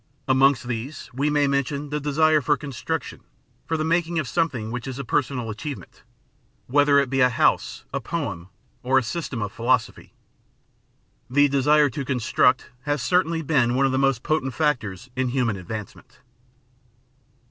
Amongst these we may mention the desire for construction, for the making of something which is a personal achievement, whether it be a house, a poem, or a system of philosophy. The desire to construct has certainly been one of the most potent factors in human advancement.